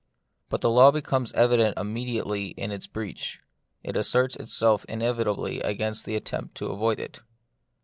But the law becomes evident immedi ately in its breach ; it asserts itself inevitably against the attempt to avoid it.